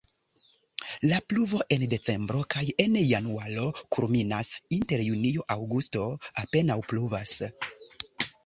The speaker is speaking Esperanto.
La pluvo en decembro kaj en januaro kulminas, inter junio-aŭgusto apenaŭ pluvas.